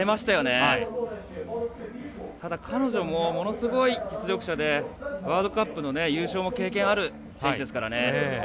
ただ、彼女もものすごい実力者でワールドカップの優勝も経験ある選手ですからね。